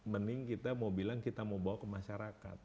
mending kita mau bilang kita mau bawa ke masyarakat